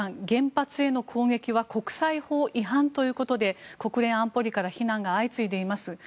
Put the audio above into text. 原発への攻撃は国際法違反ということで国連安保理から非難が相次いでいます。